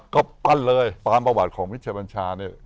ก็ปั้นเลยตามประวัติของมิชัยบัญชาเนี่ย